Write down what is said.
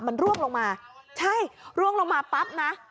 มันร่วงลงมาใช่ร่วงลงมาปั๊บนะ